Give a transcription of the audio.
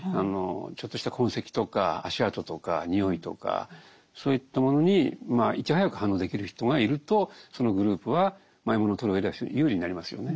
ちょっとした痕跡とか足跡とか臭いとかそういったものにいち早く反応できる人がいるとそのグループは獲物を取るうえでは非常に有利になりますよね。